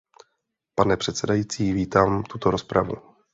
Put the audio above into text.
Pane předsedající, vítám tuto rozpravu.